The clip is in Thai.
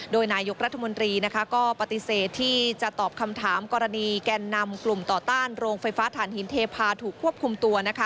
โดยนายกรัฐมนตรีก็ปฏิเสธที่จะตอบคำถามกรณีแก่นนำกลุ่มต่อต้านโรงไฟฟ้าฐานหินเทพาถูกควบคุมตัวนะคะ